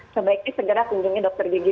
sebaiknya segera kunjungi dokter gigi